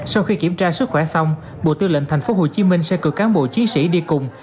sau khi kiểm tra sức khỏe xong bộ tư lệnh thành phố hồ chí minh sẽ cự cán bộ chiến sĩ đi cùng